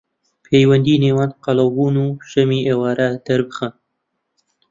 پەیوەندی نێوان قەڵەوبوون و ژەمی ئێوارە دەربخەن